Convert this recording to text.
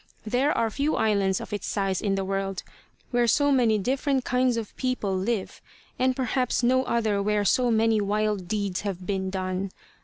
There are few islands of its size in the world where so many different kinds of people live, and perhaps no other where so many wild deeds have been done.